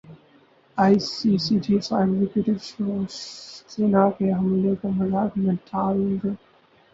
ائی C C chief executive شوسینا کے حملے کو مذاق میں ٹال گئے